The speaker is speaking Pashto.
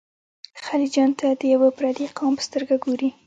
خلجیانو ته د یوه پردي قوم په سترګه ګوري.